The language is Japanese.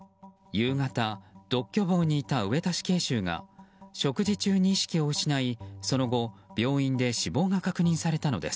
夕方、独居房にいた上田死刑囚が食事中に意識を失いその後、病院で死亡が確認されたのです。